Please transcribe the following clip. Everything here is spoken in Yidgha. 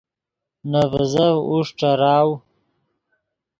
نے ڤیزف اوݰ ݯراؤ